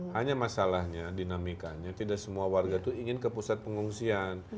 hanya masalahnya dinamikanya tidak semua warga itu ingin ke pusat pengungsian